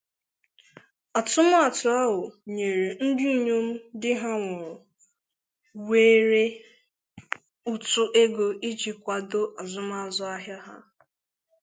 Atụmatụ ahụ nyere ndị inyom di ha nwụrụ nwere ụtụ ego iji kwado azụmahịa ha.